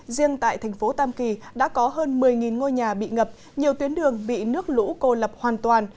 riêng tại thành phố tam kỳ đã có hơn một mươi ngôi nhà bị ngập nhiều tuyến đường bị nước lũ cô lập hoàn toàn